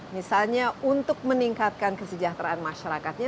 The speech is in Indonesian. misalnya untuk meningkatkan kesejahteraan masyarakatnya